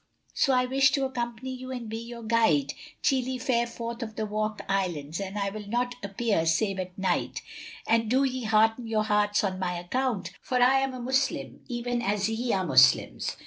So I wish to accompany you and be your guide, till ye fare forth of the Wak Islands; and I will not appear save at night; and do ye hearten your hearts on my account; for I am a Moslem, even as ye are Moslems."